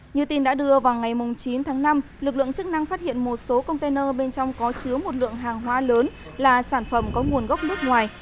như tin đã đưa vào ngày chín tháng năm lực lượng chức năng phát hiện một số container bên trong có chứa một lượng hàng hóa lớn là sản phẩm có nguồn gốc nước ngoài